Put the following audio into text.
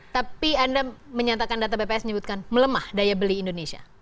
tapi anda menyatakan data bps menyebutkan melemah daya beli indonesia